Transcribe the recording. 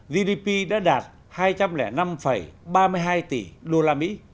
gdp đã đạt hai trăm linh năm ba mươi hai tỷ usd